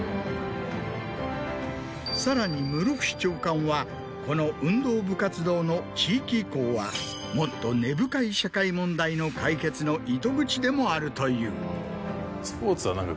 さらに室伏長官はこの運動部活動の地域移行はもっと根深い社会問題の解決の糸口でもあると言う。